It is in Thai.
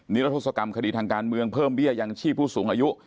รัทธศกรรมคดีทางการเมืองเพิ่มเบี้ยยังชีพผู้สูงอายุ